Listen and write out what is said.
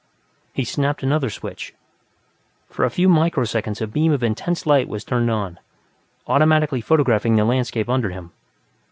He snapped another switch; for a few micro seconds a beam of intense light was turned on, automatically photographing the landscape under him.